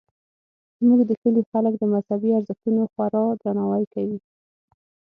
زموږ د کلي خلک د مذهبي ارزښتونو خورا درناوی کوي